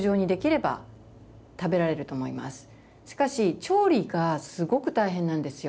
しかし調理がすごく大変なんですよ。